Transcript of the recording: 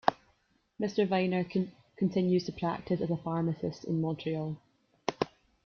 Mr. Weiner continues to practice as a pharmacist in Montreal.